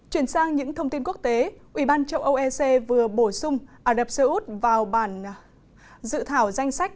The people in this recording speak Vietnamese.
chuyển sang những thông tin quốc tế ủy ban châu âu ec vừa bổ sung ả rập xê út vào bản dự thảo danh sách